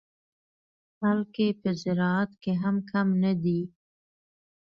خلک یې په زراعت کې هم کم نه دي.